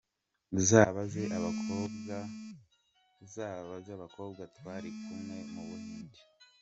Uzabaze abakobwa twari kumwe mu Buhinde.